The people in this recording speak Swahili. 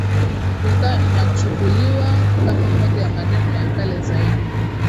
hukaa inachukuliwa kama moja ya maeneo ya kale zaidi